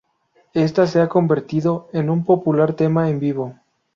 Esta se ha convertido en un popular tema en vivo.